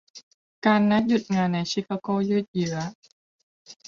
การนัดหยุดงานในชิคาโกยืดเยื้อ